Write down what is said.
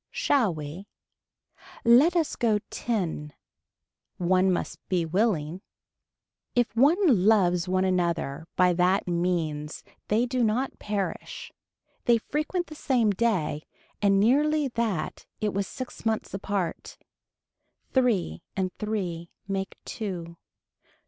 Shall we. Let us go ten. One must be willing. If one loves one another by that means they do not perish. They frequent the same day and nearly that it was six months apart. Three and three make two.